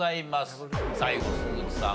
最後鈴木さん